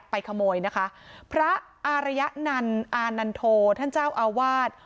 ไปขโมยนะคะพระอารยนันต์อานันโทท่านเจ้าอาวาส